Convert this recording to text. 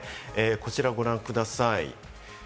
こちらをご覧ください。